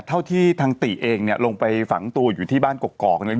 เท่าที่ทางติเองเนี่ยลงไปฝังตัวอยู่ที่บ้านกรอก